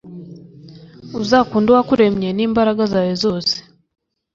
Uzakunde Uwakuremye n’imbaraga zawe zose,